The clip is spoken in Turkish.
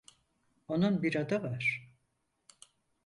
Onun bir adı var.